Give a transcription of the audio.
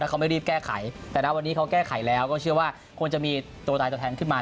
เขาไม่รีบแก้ไขแต่นะวันนี้เขาแก้ไขแล้วก็เชื่อว่าคงจะมีตัวตายตัวแทนขึ้นมา